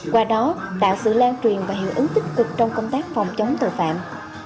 qua đó tạo sự lan truyền và hiệu ứng tích cực trong công tác phòng chống tội phạm